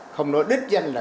không nói đích danh là